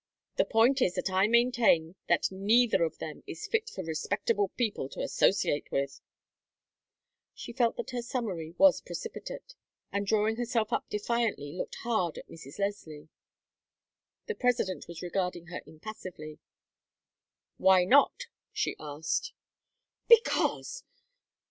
The point is that I maintain that neither of them is fit for respectable people to associate with." She felt that her summary was precipitate, and drawing herself up defiantly looked hard at Mrs. Leslie. The President was regarding her impassively. "Why not?" she asked. "Because!